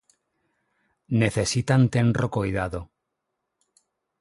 Necesitan tenro coidado.